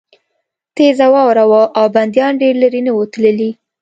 تېزه واوره وه او بندیان ډېر لېرې نه وو تللي